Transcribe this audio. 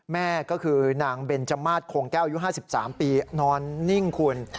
แม่ก็คือนางเบนจมาสโคงแก้วอายุ๕๓ปีนอนนิ่งคุณ